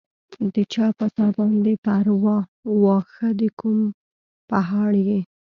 د چا پۀ تا باندې پرواه، واښۀ د کوم پهاړ ئې